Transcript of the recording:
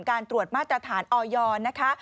การตรวจมาตรฐานออยนะคะ